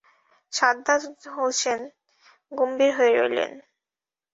সাজ্জাদ হোসেন গম্ভীর হয়ে রইলেন।